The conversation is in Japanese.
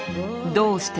どうして？